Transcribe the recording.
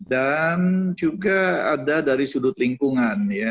dan juga ada dari sudut lingkungan